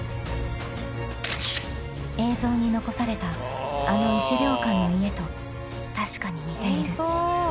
［映像に残されたあの１秒間の家と確かに似ている］